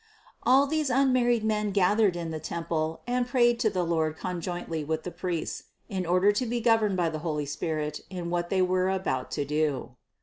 756. All these unmarried men gathered in the temple and prayed to the Lord conjointly with the priests, in order to be governed by the holy Spirit in what they were about to do.